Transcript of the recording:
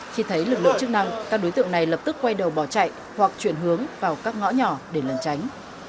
khi thấy lực lượng chức năng các đối tượng này lập tức quay đầu bỏ chạy hoặc chuyển hướng vào các ngõ nhỏ để lần tránh